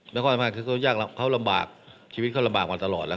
แล้วเขาลำบากชีวิตเขาลำบากมาตลอดแล้ว